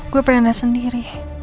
gue pengen lihat sendiri